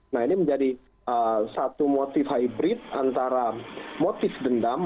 nah ini menjadi satu motif hybrid antara motif dendam